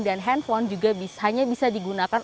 dan handphone juga hanya bisa digunakan